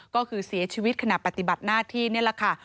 ก็คือเสียชีวิตขณะปฏิบัติหน้าที่นี่แหละค่ะ